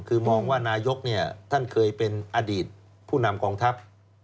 คือมองว่านายกท่านเคยเป็นอดีตผู้นำกองทัพ